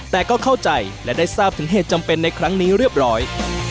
แต่ก็เข้าใจและได้ทราบถึงเหตุจำเป็นในครั้งนี้เรียบร้อย